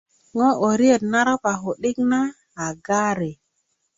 ŋo woriyet na ropa ku'dik na a gari